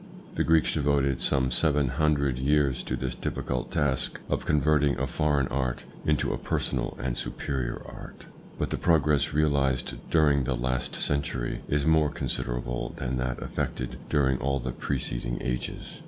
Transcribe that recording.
The Greeks devoted some seven hundred years to this difficult task of converting a foreign art into a personal and superior art ; but the progress realised during the last century is more considerable than that effected during all the preceding ages.